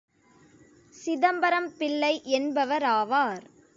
Chidambaram Pillai என்பவராவார்.